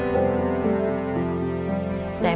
สุดท้าย